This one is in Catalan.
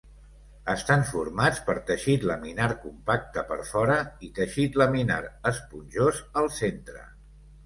Estan formats per teixit laminar compacte per fora, i teixit laminar esponjós al centre.